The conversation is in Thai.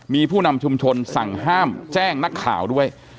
มีผู้นำชุมชนสั่งห้ามแจ้งนักข่าวด้วย